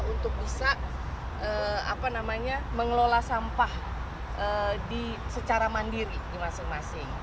untuk bisa mengelola sampah secara mandiri di masing masing